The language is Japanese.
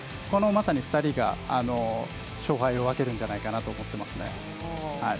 この２人が勝敗を分けるんじゃないかなと思います。